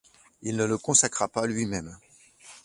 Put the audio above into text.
Il ne le consacra pas lui-même.